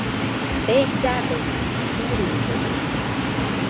Bellado kurude